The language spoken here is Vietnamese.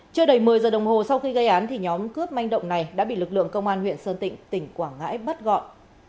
chưa đầy một mươi giờ đồng hồ sau khi gây án thì nhóm cướp manh động này đã bị lực lượng công an huyện sơn tịnh tỉnh quảng ngãi bắt gọn